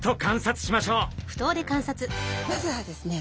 まずはですね